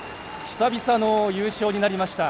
久々の優勝になりました。